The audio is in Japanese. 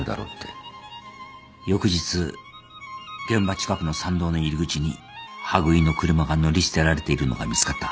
翌日現場近くの山道の入り口に羽喰の車が乗り捨てられているのが見つかった。